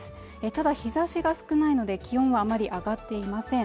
ただ日差しが少ないので気温はあまり上がっていません